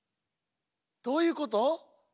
どういうこと？